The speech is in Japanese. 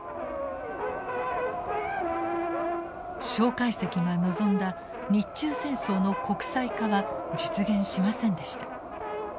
介石が望んだ日中戦争の国際化は実現しませんでした。